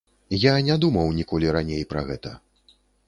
Я не думаў ніколі раней пра гэта.